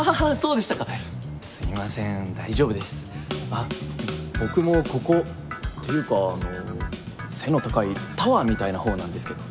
あっ僕もここっていうかあの背の高いタワーみたいなほうなんですけど。